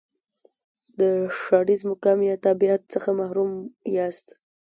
د ښاریز مقام یا تابعیت څخه محروم یاست.